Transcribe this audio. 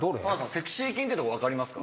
セクシー筋って分かりますか？